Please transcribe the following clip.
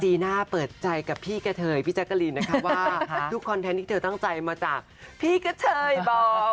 น่าเปิดใจกับพี่กะเทยพี่แจ๊กกะลีนนะคะว่าทุกคอนเทนต์ที่เธอตั้งใจมาจากพี่กระเทยบอก